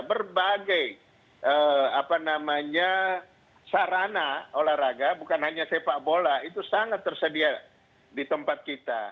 berbagai sarana olahraga bukan hanya sepak bola itu sangat tersedia di tempat kita